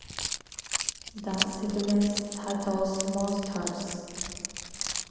The segments titled Monsters!